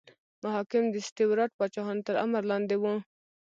محاکم د سټیورات پاچاهانو تر امر لاندې وو.